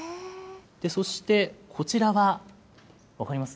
そしてこちらは、分かります？